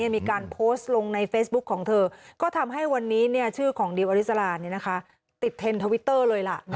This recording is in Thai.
มีการโพสต์ลงในเฟซบุ๊คของเธอก็ทำให้วันนี้ชื่อของดิวอริสราติดเทรนด์ทวิตเตอร์เลยล่ะ